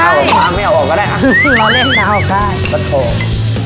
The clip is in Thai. เอาออกมาไม่เอาออกก็ได้อ่ะล้อเล่นนะเอาออกได้ประโทษ